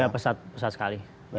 ya pesat pesat sekali